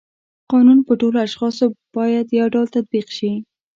قانون په ټولو اشخاصو باید یو ډول تطبیق شي.